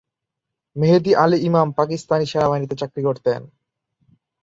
মেহেদী আলী ইমাম পাকিস্তানি সেনাবাহিনীতে চাকরি করতেন।